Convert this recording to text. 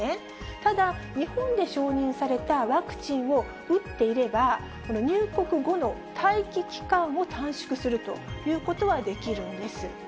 ただ、日本で承認されたワクチンを打っていれば、この入国後の待機期間を短縮するということはできるんです。